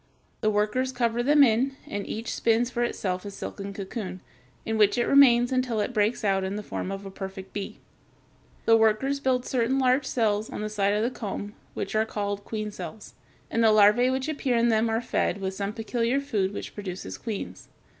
The workers cover them in, and each spins for itself a silken cocoon, in which it remains until it breaks out in the form of a perfect bee. The workers build certain large cells on the side of the comb, which are called queen cells, and the larvæ which appear in them are fed with some peculiar food which produces queens.